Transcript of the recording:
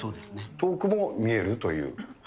遠くも見えるという。